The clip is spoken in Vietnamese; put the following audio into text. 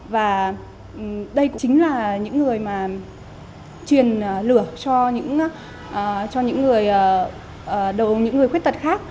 và đây cũng chính là những người mà truyền lửa cho những người khuyết tật khác